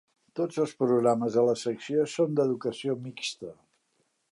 Tots els programes de la secció són d"educació mixta.